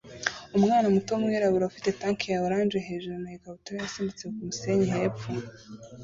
Umwana muto wumwirabura ufite tank ya orange hejuru na ikabutura yasimbutse kumusenyi hepfo